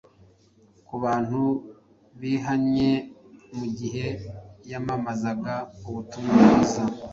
ku bantu bihanye mu gihe yamamazaga ubutumwa bwiza.